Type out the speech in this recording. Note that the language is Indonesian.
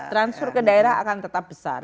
transfer ke daerah akan tetap besar